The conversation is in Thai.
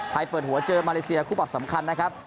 เปิดหัวเจอมาเลเซียคู่ปรับสำคัญนะครับ